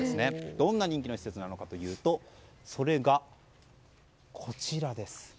どんな人気の施設なのかというとそれがこちらです。